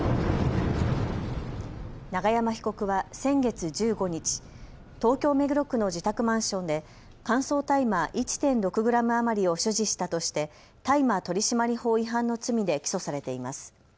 永山被告は先月１５日、東京目黒区の自宅マンションで乾燥大麻１．６グラム余りを所持したとして大麻取締法違反の罪で起訴されています。